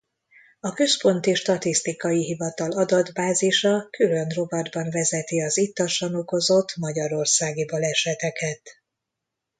A Központi Statisztikai Hivatal adatbázisa külön rovatban vezeti az ittasan okozott magyarországi baleseteket.